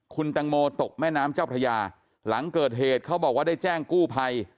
คุณตังโมตกแม่น้ำเจ้าพระยาหลังเกิดเหตุเขาบอกว่าได้แจ้งกู้ภัย